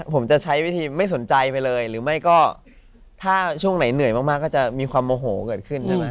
ผมจะใช้วิธีไม่สนใจไปเลยหรือไม่ก็ถ้าช่วงไหนเหนื่อยมากก็จะมีความโมโหเกิดขึ้นใช่ไหม